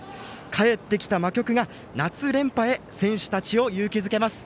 帰ってきた魔曲が夏連覇で選手たちを勇気づけます。